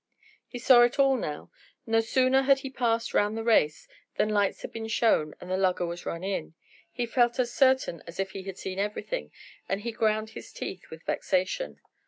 He saw it all now. No sooner had he passed round the race, than lights had been shown, and the lugger was run in. He felt as certain as if he had seen everything, and he ground his teeth with vexation.